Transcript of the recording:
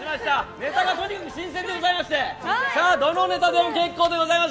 ネタがとにかく新鮮でございましてどのネタでも結構でございます。